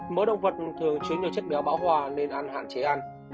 mỡ động vật thường chứa được chất béo bão hòa nên ăn hạn chế ăn